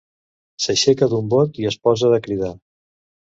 S'aixeca d'un bot i es posa a cridar.